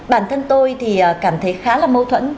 bản thân tôi thì cảm thấy khá là mâu thuẫn